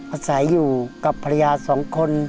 อาศัยอยู่กับภรรยาสองคน